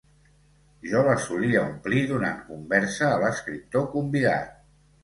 Jo les solia omplir donant conversa a l'escriptor convidat.